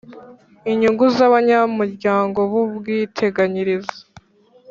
Inyungu z’abanyamuryango b’ubwiteganyirize